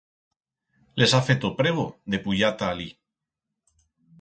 Les ha feto prebo de puyar ta alí.